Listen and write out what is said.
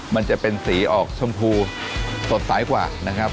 มันจะเป็นสีออกชมพูสดใสกว่านะครับ